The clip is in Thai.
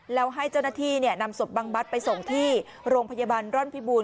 แล้วให้เจ้าหน้าที่นำศพบังบัตรไปส่งที่โรงพยาบาลร่อนพิบูร